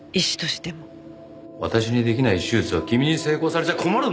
私に出来ない手術を君に成功されちゃ困るんだよ。